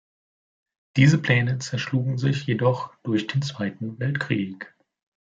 Diese Pläne zerschlugen sich jedoch durch den Zweiten Weltkrieg.